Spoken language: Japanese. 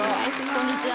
こんにちは。